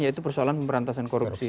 yaitu persoalan pemberantasan korupsi